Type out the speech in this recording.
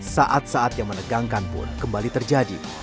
saat saat yang menegangkan pun kembali terjadi